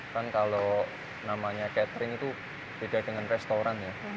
kan kalau namanya catering itu beda dengan restoran ya